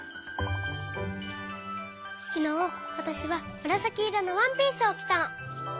きのうわたしはむらさきいろのワンピースをきたの。